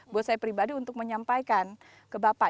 buat saya pribadi untuk menyampaikan ke bapak